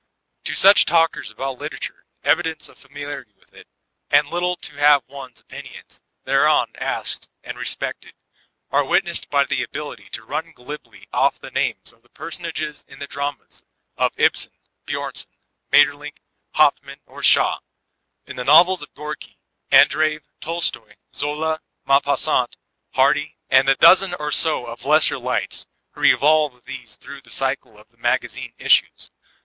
To such talkers about literature, evidence of familiarity with it, and title to have one's opinions thereon asked and respected, are witnessed by the ability to run glibly off the names of the personages in the dramas of Ibsen, Bjomson, Maeterlinck, Hauptmann or Shaw; or in the 360 VOLTAIRINE DE ClBYEB novels of Gorki, Andreyev, Tolstoy, Zola, Maupassant, Hardy, and the dozen or so of lesser lights who revolve with these through the cycle of the magazine issues.